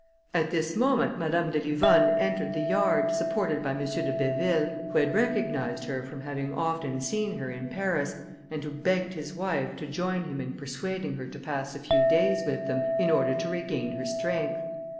At this moment, Madame de Livonne entered the yard, supported by M. de Béville, who had recognised her from having often seen her in Paris, and who begged his wife to join him in persuading her to pass a few days with them, in order to regain her strength.